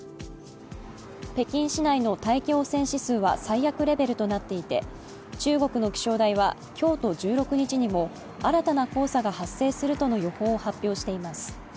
北京市内の大気汚染指数は最悪レベルとなっていて中国の気象台は今日と１６日にも新たな黄砂が発生するとの予報を発表しています。